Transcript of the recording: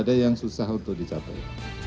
ada yang susah untuk dicapai